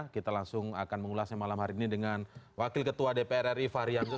kita langsung akan mengulasnya malam hari ini dengan wakil ketua dpr ri fahri hamzah